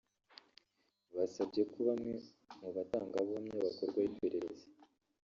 Basabye ko bamwe mu batangabuhamya bakorwaho iperereza